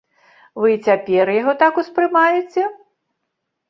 Вы і цяпер яго так успрымаеце?